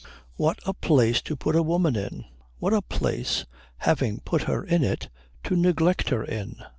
What a place to put a woman in! What a place, having put her in it, to neglect her in!